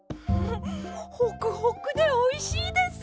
ホクホクでおいしいです！